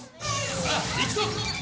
さあいくぞ！